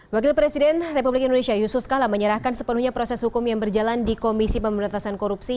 wakil presiden republik indonesia yusuf kala menyerahkan sepenuhnya proses hukum yang berjalan di komisi pemberantasan korupsi